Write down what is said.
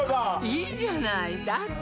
いいじゃないだって